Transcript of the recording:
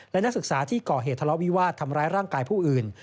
และนักศึกษาที่ก่อเหตุทะเลาะวิวาสทำร้ายร่างกายผู้อื่น